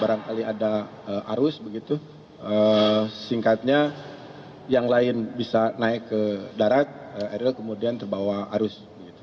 barangkali ada arus begitu singkatnya yang lain bisa naik ke darat eril kemudian terbawa arus